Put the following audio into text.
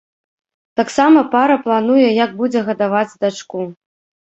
Таксама пара плануе, як будзе гадаваць дачку.